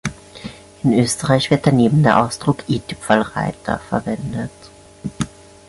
In Österreich wird daneben der Ausdruck "i-Tüpferl-Reiter" verwendet.